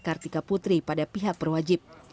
kartika putri pada pihak perwajib